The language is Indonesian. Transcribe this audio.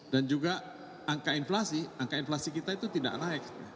dan juga angka inflasi angka inflasi kita itu tidak naik